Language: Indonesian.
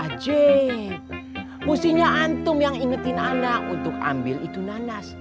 aceh mustinya antum yang ingetin anak untuk ambil itu nanas